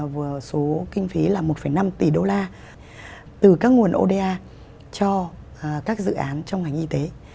với số kinh phí là một năm tỷ đô la từ các nguồn oda cho các dự án trong ngành y tế